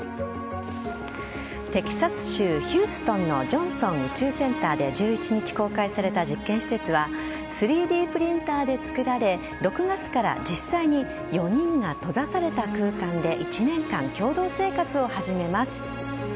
テキサス州ヒューストンのジョンソン宇宙センターで１１日、公開された実験施設は３Ｄプリンターで作られ６月から実際に４人が閉ざされた空間で１年間、共同生活を始めます。